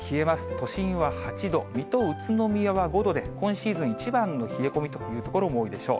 都心は８度、水戸、宇都宮は５度で、今シーズン一番の冷え込みという所も多いでしょう。